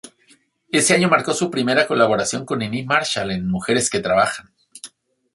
Ese año marcó su primera colaboración con Niní Marshall, en "Mujeres que trabajan".